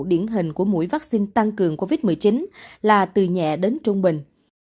điển hình của mũi vắc xin tăng cường covid một mươi chín là từ nhẹ đến trung bình